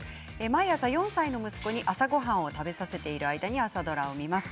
毎朝４歳の息子に朝ごはんを食べさせている間に朝ドラを見ます。